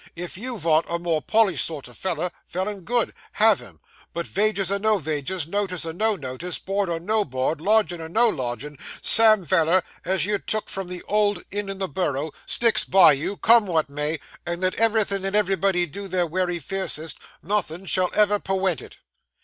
If you vant a more polished sort o' feller, vell and good, have him; but vages or no vages, notice or no notice, board or no board, lodgin' or no lodgin', Sam Veller, as you took from the old inn in the Borough, sticks by you, come what may; and let ev'rythin' and ev'rybody do their wery fiercest, nothin' shall ever perwent it!